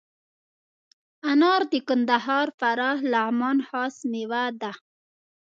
انار د کندهار، فراه، لغمان خاص میوه ده.